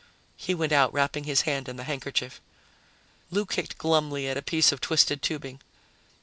He went out, wrapping his hand in the handkerchief. Lou kicked glumly at a piece of twisted tubing.